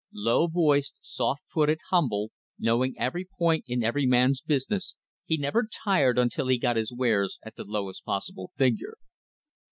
Low voiced, soft footed, humble, knowing every point in every man's business, he never tired until he got his wares at the lowest possible figure.